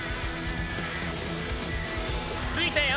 着いたよ。